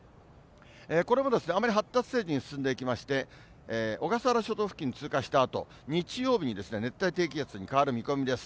これもあまり発達せずに進んでいきまして、小笠原諸島付近を通過したあと、日曜日に熱帯低気圧に変わる見込みです。